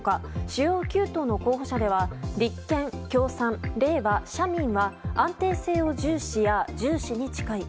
主要９党の候補者では立憲、共産、れいわ、社民は安定性を重視や重視に近い。